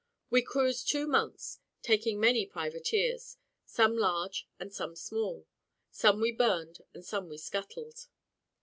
We cruised two months, taking many privateers, some large and some small; some we burned, and some we scuttled.